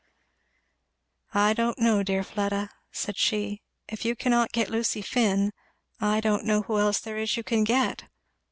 "I don't know, dear Fleda," said she; "if you cannot get Lucy Finn I don't know who else there is you can get.